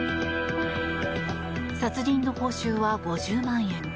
殺人の報酬は５０万円。